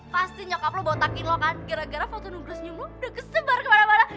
pasti nyokap lo botakin lo kan gara gara foto nunggu dan senyum lo udah kesebar kemana mana